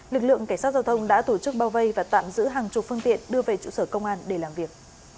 lực lượng cảnh sát giao thông đã tổ chức bao vây và tạm giữ hàng chục phương tiện đưa về trụ sở công an để làm việc